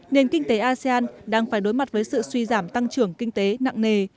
nền kinh tế asean đang phải đối mặt với sự suy giảm tăng trưởng kinh tế nặng nề